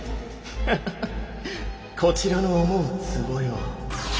ハハハッこちらの思うつぼよ。